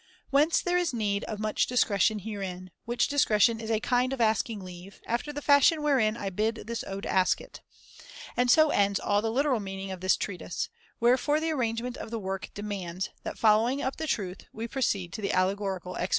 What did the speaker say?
Whence there is need of [803 much discretion herein, which discretion is a kind of asking leave, after the fashion wherein I bid this ode ask it. And so ends all the literal meaning of this treatise ; wherefore the arrangement of the work demands that, following up the truth, we pro ceed to the allegorical exposition.